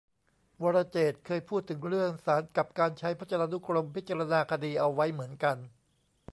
วรเจตน์ เคยพูดถึงเรื่องศาลกับการใช้พจนานุกรมพิจารณาคดีเอาไว้เหมือนกัน